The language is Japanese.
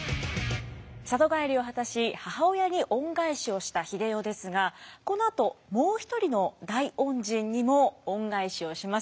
里帰りを果たし母親に恩返しをした英世ですがこのあともう一人の大恩人にも恩返しをします。